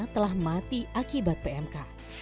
telah mati akibat pmk